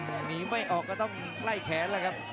แต่หนีไม่ออกก็ต้องไล่แขนแล้วครับ